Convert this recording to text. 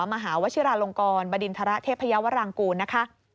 มหาวชิราลงกรบดินทรเทพยาวรางกูลนะคะ